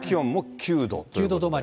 ９度止まり。